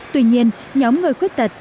tuy nhiên nhóm người khuyết tật